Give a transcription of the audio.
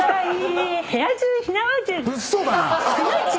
物騒だな。